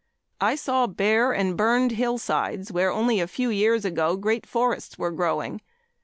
I saw bare and burned hillsides where only a few years ago great forests were growing.